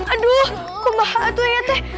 aduh kemah aduh ya teh